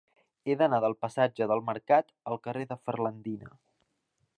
He d'anar del passatge del Mercat al carrer de Ferlandina.